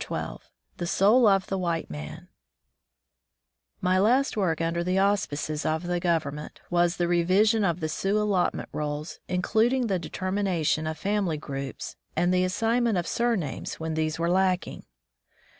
181 xn THE SOUL OF THE WHITE BfAN liJ'Y last work under the auspices of the •^^ Government was the revision of the Sioux allotment rolls, including the deter mination of family groups, and the assign ment of surnames when these were lacking.